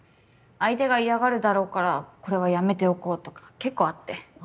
相手が嫌がるだろうからこれはやめておこうとか結構あって。